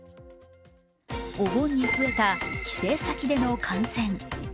お盆に増えた帰省先での感染。